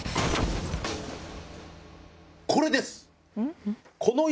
これです！